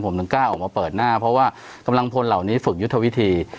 ผมถึงกล้าออกมาเปิดหน้าเพราะว่ากำลังพลเหล่านี้ฝึกยุทธวิธี